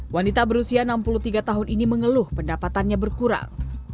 wanita berusia enam puluh tiga tahun ini mengeluh pendapatannya berkurang